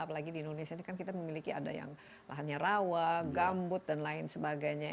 apalagi di indonesia ini kan kita memiliki ada yang lahannya rawa gambut dan lain sebagainya